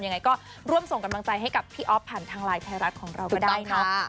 ยังไงก็ร่วมส่งกำลังใจให้กับพี่อ๊อฟผ่านทางไลน์ไทยรัฐของเราก็ได้เนาะ